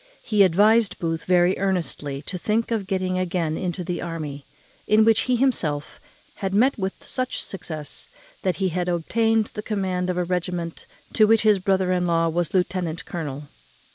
He advised Booth very earnestly to think of getting again into the army, in which he himself had met with such success, that he had obtained the command of a regiment to which his brother in law was lieutenant colonel.